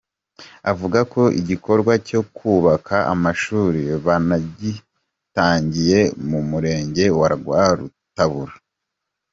Avuga ko igikorwa cyo kubaka amashuri banagitangiye mu murenge wa Rwarutabura.